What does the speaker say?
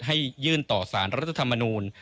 ให้ยื่นต่อสารรัฐธรรมนุน